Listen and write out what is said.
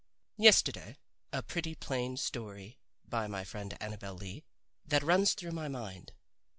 Yesterday a pretty, plain story by my friend Annabel Lee that runs through my mind.